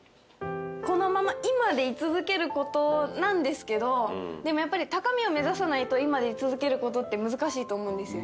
このまま今で居続けることなんですけどでもやっぱり高みを目指さないと今で居続けることって難しいと思うんですよね。